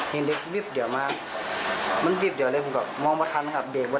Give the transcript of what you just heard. ไม่รู้ครับแต่ฉันคิดว่าตกใจไหมครับ